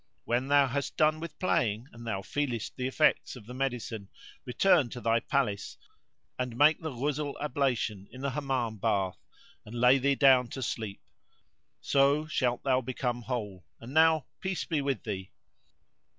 When thou hast done with playing and thou feelest the effects of the medicine, return to thy palace, and make the Ghusl ablution[FN#82] in the Hammam bath, and lay thee down to sleep; so shalt thou become whole; and now peace be with thee!"